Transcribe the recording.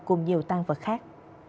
cùng nhiều tang vật khác